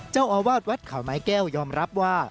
เจ้าอาวาสวัดเขาไม้แก้วยอมรับว่า